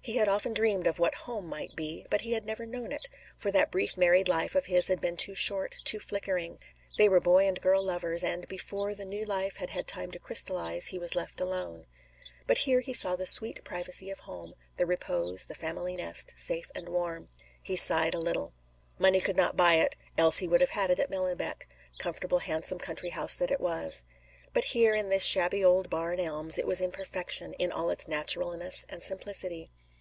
He had often dreamed of what "home" might be, but he had never known it, for that brief married life of his had been too short, too flickering; they were boy and girl lovers, and, before the new life had had time to crystallize, he was left alone. But here he saw the sweet privacy of home, the repose, the family nest, safe and warm. He sighed a little. Money could not buy it, else he would have had it at Millenbeck, comfortable handsome country house that it was. But here, at this shabby old Barn Elms, it was in perfection, in all its naturalness and simplicity.